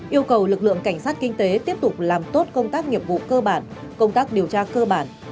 yêu cầu lực lượng cảnh sát kinh tế tiếp tục làm tốt công tác nghiệp vụ cơ bản công tác điều tra cơ bản